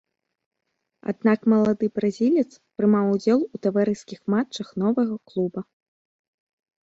Аднак малады бразілец прымаў удзел у таварыскіх матчах новага клуба.